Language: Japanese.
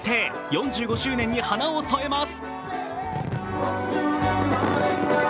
４５周年に花を添えます。